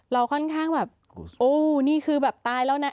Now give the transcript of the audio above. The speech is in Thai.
เราค่อนข้างแบบโอ้นี่คือแบบตายแล้วนะ